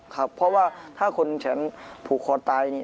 ครับเพราะว่าถ้าคนฉันผูกคอตายนี่